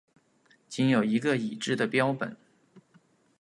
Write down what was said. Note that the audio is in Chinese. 仅有一个已知的标本。